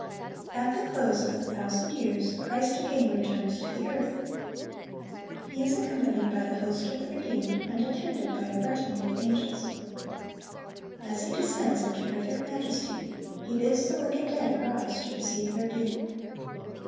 ] At the close of the thousand years, Christ again returns to the earth. He is accompanied by the host of the redeemed, and attended by a retinue of angels. As He descends in terrific majesty, He bids the wicked dead arise to receive their doom.